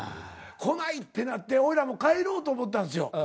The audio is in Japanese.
来ないってなっておいらも帰ろうと思ったんですよ。